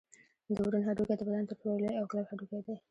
د ورون هډوکی د بدن تر ټولو لوی او کلک هډوکی دی